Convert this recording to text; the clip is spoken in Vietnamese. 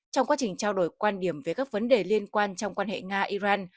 trong quá trình trao đổi quan điểm về các vấn đề liên quan trong quan hệ nga iran